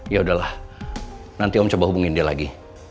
ya udahlah nanti om coba hubungin dia lagi